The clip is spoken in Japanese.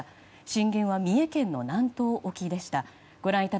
震源は三重県の南東沖でした。